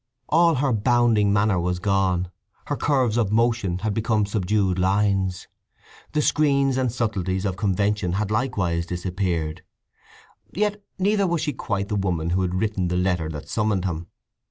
All her bounding manner was gone; her curves of motion had become subdued lines. The screens and subtleties of convention had likewise disappeared. Yet neither was she quite the woman who had written the letter that summoned him.